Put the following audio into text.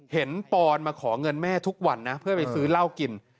ปอนมาขอเงินแม่ทุกวันนะเพื่อไปซื้อเหล้ากิน